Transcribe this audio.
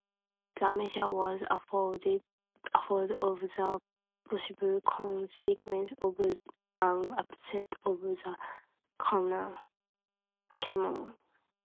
The Major was afraid of the possible consequences of an upset of the canoe.